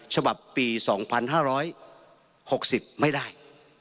ฉบับปี๒๕๖๐ไม่ได้